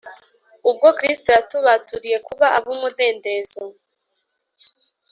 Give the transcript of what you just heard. Ubwo Kristo yatubaturiye kuba ab umudendezo